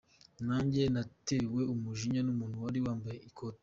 Nanjye natewe umujinya n’umuntu wari wambaye ikoti.